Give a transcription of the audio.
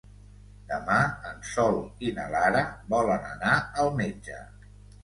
Demà en Sol i na Lara volen anar al metge.